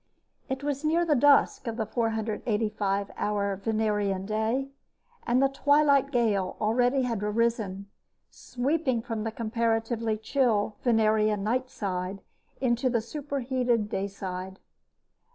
It was near the dusk of the 485 hour Venerian day, and the Twilight Gale already had arisen, sweeping from the comparatively chill Venerian nightside into the superheated dayside.